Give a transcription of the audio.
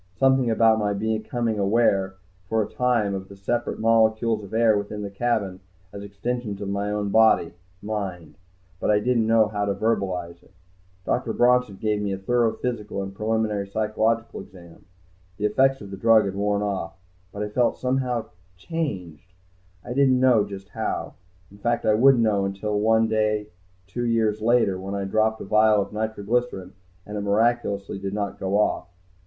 Something about my becoming aware, for a time, of the separate molecules of air within the cabin as extensions of my own body mind. But I didn't know how to verbalize it. Dr. Bronson gave me a thorough physical and a preliminary psychological exam. The effects of the drug had worn off, but I felt somehow changed, I didn't know just how. In fact I wouldn't know until one day two years later, when I dropped a vial of nitroglycerine, and it miraculously did not go off.